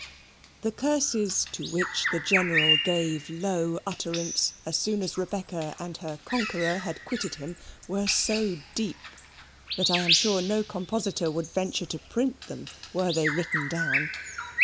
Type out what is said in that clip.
The curses to which the General gave a low utterance, as soon as Rebecca and her conqueror had quitted him, were so deep, that I am sure no compositor would venture to print them were they written down.